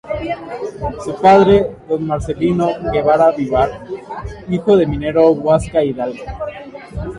Su padre, Don Marcelino Guevara Vivar, hijo de minero en Huasca, Hidalgo.